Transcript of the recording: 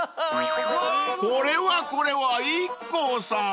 ［これはこれはＩＫＫＯさん］